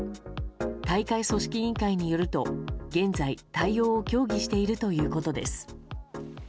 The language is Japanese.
大会組織委員会によると現在、対応を協議しているということです。